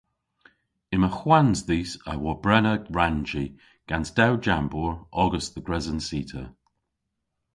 Yma hwans dhis a wobrena rannji gans dew jambour ogas dhe gres an cita.